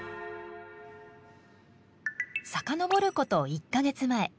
遡ること１か月前。